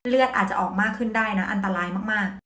เลือดอาจจะออกมากขึ้นได้นะอันตรายมาก